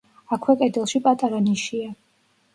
აქვე კედელში პატარა ნიშია.